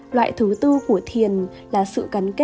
loại thứ tư của thiền là sự cắn kết của các giác quan